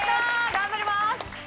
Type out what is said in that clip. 頑張ります。